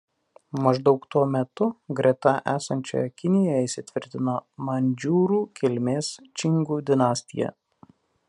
Maždaug tuo metu greta esančioje Kinijoje įsitvirtino mandžiūrų kilmės Čingų dinastija.